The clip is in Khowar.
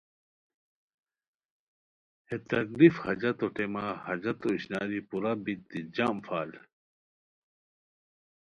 بے تکلیف حاجتو ٹیمہ حاجتو اشناری پوراہ بیک دی جم فال